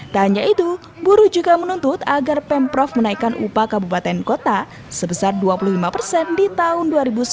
tak hanya itu buruh juga menuntut agar pemprov menaikkan upah kabupaten kota sebesar dua puluh lima persen di tahun dua ribu sembilan belas